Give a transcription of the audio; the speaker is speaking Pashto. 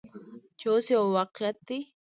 چې اوس یو واقعیت دی.